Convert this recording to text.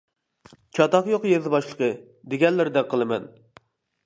— چاتاق يوق، يېزا باشلىقى، دېگەنلىرىدەك قىلىمەن.